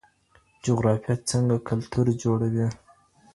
جغرافیه څنګه کلتور جوړوي؟